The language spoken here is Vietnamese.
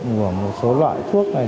của một số loại thuốc này